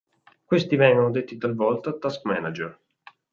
Questi vengono detti talvolta "task manager".